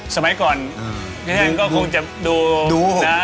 สมัยก่อนพี่แห้งก็คงจะดู